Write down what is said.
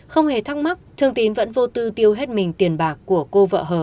không hề thắc mắc thương tín vẫn vô tư tiêu hết mình tiền bạc của cô vợ hờ